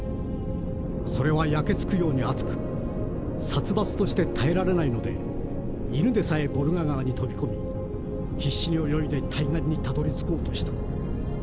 それは焼けつくように熱く殺伐として耐えられないので犬でさえボルガ川に飛び込み必死に泳いで対岸にたどりつこうとした。